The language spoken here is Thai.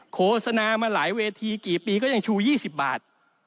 โฆษณามาหลายเวทีกี่ปีก็ยังชู๒๐บาท